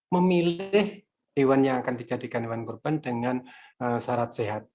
memilih hewan yang akan dijadikan hewan kurban dengan syarat sehat